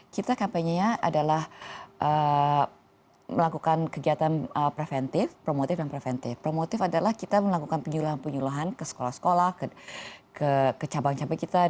kita kampanyenya adalah melakukan kegiatan preventif promotif dan preventif promotif adalah kita melakukan penyuluhan penyuluhan ke sekolah sekolah ke cabang cabang kita